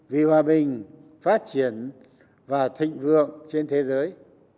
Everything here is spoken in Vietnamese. vì hòa bình phát triển và thịnh vượng trên thế giới